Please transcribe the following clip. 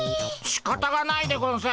しかたがないでゴンス。